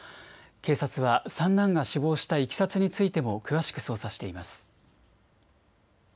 警察は三男が死亡したいきさつについても詳しく捜査しています。